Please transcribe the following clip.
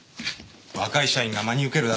若い社員が真に受けるだろ？